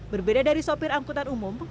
berbeda dari sopir angkutan umum